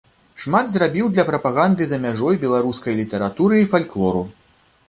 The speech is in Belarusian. Шмат зрабіў для прапаганды за мяжой беларускай літаратуры і фальклору.